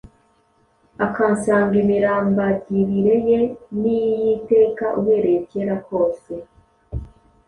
akansanga, imirambagirire ye ni iy’iteka, uhereye kera kose.”